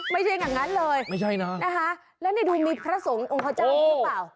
ไม่ใช่อย่างนั้นเลยไม่ใช่นะนะคะแล้วนี่ดูมีพระสงฆ์องค์พระเจ้าอยู่หรือเปล่า